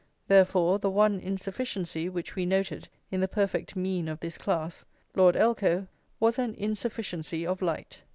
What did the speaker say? Therefore the one insufficiency which we noted in the perfect mean of this class, Lord Elcho, was an insufficiency of light.